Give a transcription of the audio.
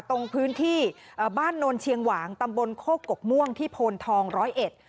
ตรงพื้นที่เอ่อบ้านโนนเชียงหวางตำบลโคกกม่วงที่โพนทองร้อยเอ็ด